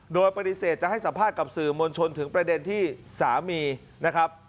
โดยปฏิเสธจะให้สัมภาษณ์กับสื่อมวลชนถึงประเด็นที่สามีนะครับ